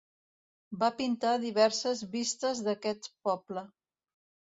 Va pintar diverses vistes d'aquest poble.